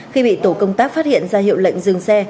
khi bị tổ công tác phát hiện ra hiệu lệnh dừng xe